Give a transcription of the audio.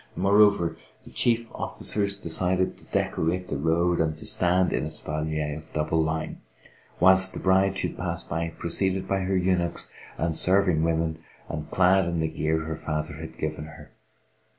More over, the chief officers decided to decorate the road and to stand in espalier of double line, whilst the bride should pass by preceded by her eunuchs and serving women and clad in the gear her father had given her.